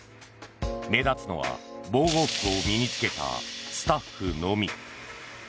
目立つのは防護服を身に着けたスタッフのみ。